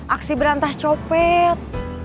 aksi berantas copet